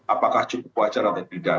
apakah cukup wajar atau tidak